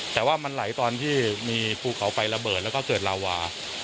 แต่ว่ามันไหลตอนที่มีภูเขาไฟระเบิดแล้วก็เกิดลาวา